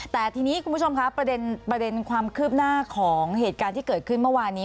แต่ทีนี้คุณผู้ชมคะประเด็นความคืบหน้าของเหตุการณ์ที่เกิดขึ้นเมื่อวานนี้